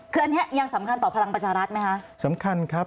คืออันนี้ยังสำคัญต่อพลังประชารัฐไหมคะสำคัญครับ